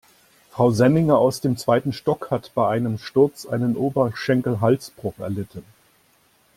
Frau Senninger aus dem zweiten Stock hat bei einem Sturz einen Oberschenkelhalsbruch erlitten.